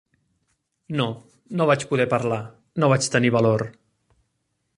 No, no vaig poder parlar, no vaig tenir valor.